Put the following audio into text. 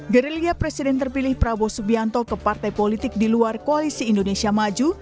gerilya presiden terpilih prabowo subianto ke partai politik di luar koalisi indonesia maju